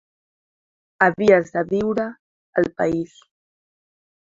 Havies de viure al país.